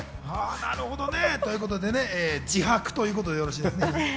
なるほどね。ということで自白ということでよろしいですか。